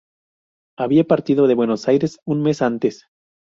Había partido de Buenos Aires un mes antes.